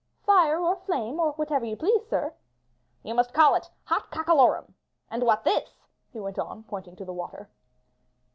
'Tire or flame, or whatever you please, sir." *'You must call it 'hot cockalorum,' and what this?" he went on, pointing to the water.